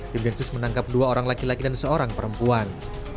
tim densus menangkap dua orang laki laki dan seorang perempuan